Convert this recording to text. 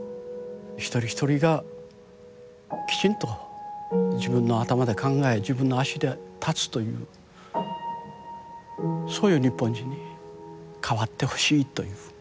一人一人がきちんと自分の頭で考え自分の足で立つというそういう日本人に変わってほしいという。